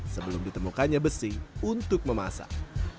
sebelum ditemukannya besi untuk memasak